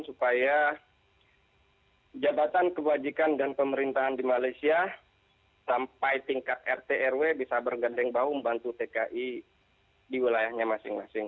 supaya jabatan kewajikan dan pemerintahan di malaysia sampai tingkat rt rw bisa berganding bahu membantu tki di wilayahnya masing masing